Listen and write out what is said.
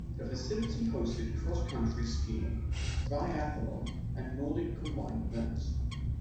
The facility hosted cross-country skiing, biathlon and Nordic combined events.